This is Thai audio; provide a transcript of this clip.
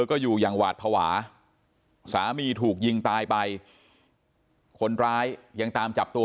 ก็อยู่อย่างหวาดภาวะสามีถูกยิงตายไปคนร้ายยังตามจับตัว